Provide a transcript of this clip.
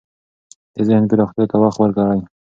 د ذهن پراختیا ته وخت ورکړئ.